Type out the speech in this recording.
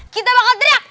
kita bakal teriak